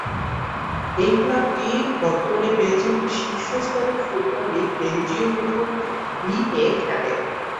এই ক্লাবটি বর্তমানে বেলজিয়ামের শীর্ষ স্তরের ফুটবল লীগ বেলজীয় প্রথম বিভাগ বি-এ খেলে।